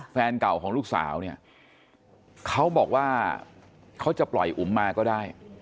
แฟนเก่าของลูกสาวเนี่ยเขาบอกว่าเขาจะปล่อยอุ๋มมาก็ได้